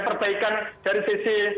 perbaikan dari sisi